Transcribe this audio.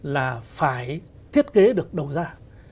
là phải thiết kế được đầu ra